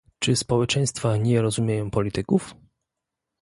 Czy społeczeństwa nie rozumieją polityków?